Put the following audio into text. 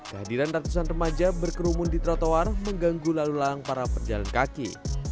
kehadiran ratusan remaja berkerumun di trotoar mengganggu lalu lalang para pejalan kaki